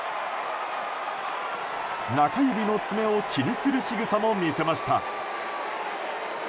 中指の爪を気にするしぐさも見せました。